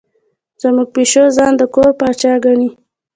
زموږ پیشو ځان د کور پاچا ګڼي.